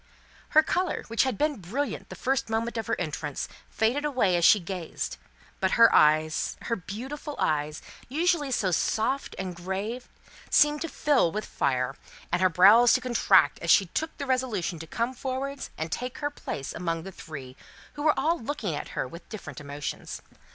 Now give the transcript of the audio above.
Her colour, which had been brilliant the first moment of her entrance, faded away as she gazed; but her eyes her beautiful eyes usually so soft and grave, seemed to fill with fire, and her brows to contract, as she took the resolution to come forward and take her place among the three, who were all looking at her with different emotions.